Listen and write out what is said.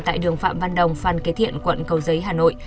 tại đường phạm văn đồng phan kế thiện quận cầu giấy hà nội